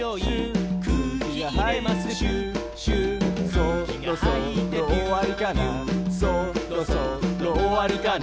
「そろそろおわりかなそろそろおわりかな」